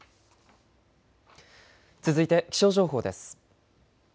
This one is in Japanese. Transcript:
続いて気象情報です。